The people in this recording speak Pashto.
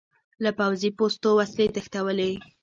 له پوځي پوستو وسلې تښتولې.